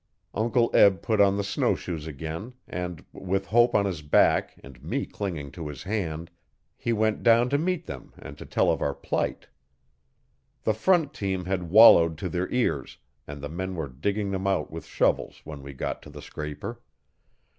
Uncle Eb put on the snow shoes again, and, with Hope on his back and me clinging to his hand, he went down to meet them and to tell of our plight. The front team had wallowed to their ears, and the men were digging them out with shovels when we got to the scraper.